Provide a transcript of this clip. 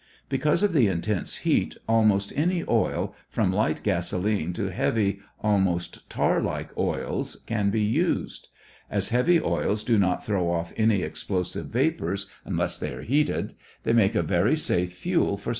Because of the intense heat almost any oil, from light gasolene to heavy, almost tarlike oils, can be used. As heavy oils do not throw off any explosive vapors unless they are heated, they make a very safe fuel for submarines.